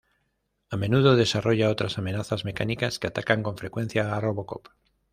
A menudo desarrolla otras amenazas mecánicas que atacan con frecuencia a RoboCop.